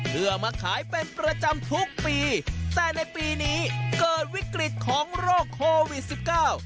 เพื่อมาขายเป็นประจำทุกปีแต่ในปีนี้เกิดวิกฤตของโรคโควิดสิบเก้า